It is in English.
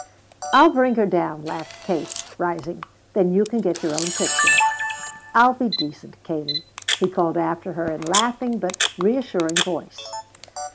"I'll bring her down," laughed Kate, rising; "then you can get your own picture." "I'll be decent, Katie," he called after her in laughing but reassuring voice.